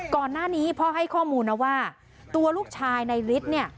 ก่อนหน้านี้พ่อให้ข้อมูลนะว่าตัวลูกชายในฤทธิ์เนี่ย